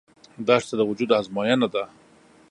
دښته د وجود ازموینه ده.